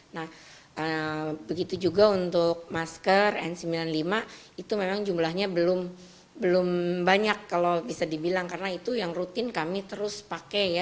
nah begitu juga untuk masker n sembilan puluh lima itu memang jumlahnya belum banyak kalau bisa dibilang karena itu yang rutin kami terus pakai ya